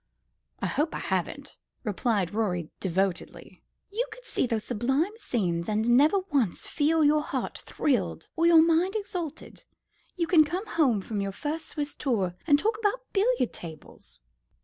"I hope I haven't," replied Rorie devoutly. "You could see those sublime scenes, and never once feel your heart thrilled or your mind exalted you can come home from your first Swiss tour and talk about billiard tables!"